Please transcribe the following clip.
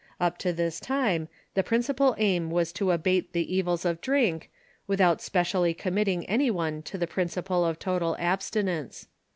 Up to this time the principal aim was to abate the evils of drink, without specially committing any one to the principle of total absti nence.